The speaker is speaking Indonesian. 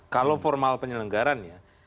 kalau formal penyelenggaraan ya